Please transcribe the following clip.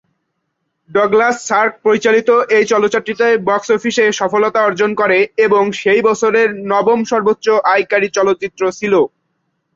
Douglas Sirk পরিচালিত এই চলচ্চিত্রটি বক্স অফিসে সফলতা অর্জন করে এবং এটি সেই বছরের নবম সর্বোচ্চ আয়কারী চলচ্চিত্র ছিল।